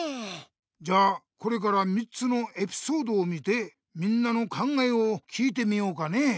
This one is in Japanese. じゃあこれから３つのエピソードを見てみんなの考えを聞いてみようかね。